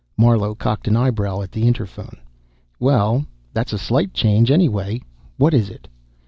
Marlowe cocked an eyebrow at the interphone. "Well, that's a slight change, anyway. What is it?"